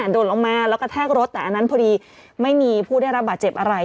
โดดลงมาแล้วก็แทกรถแต่อันนั้นพอดีไม่มีผู้ได้รับบาดเจ็บอะไร